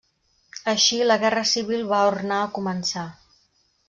Així la guerra civil va ornar a començar.